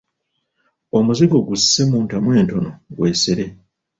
Omuzigo gusse mu ntamu entono gwesere.